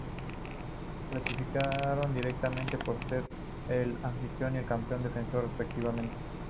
Clasificaron directamente y por ser el anfitrión y el campeón defensor respectivamente.